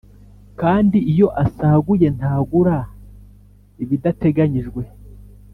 kandi iyo asaguye ntagura ibidateganyijwe